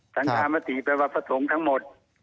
สังกามติแปลว่าพระสงฆ์ทั้งหมด